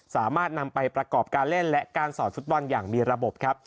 สามารถนำไปประกอบการเล่นและการสอนฟุตบอลอย่างมีระบบครับ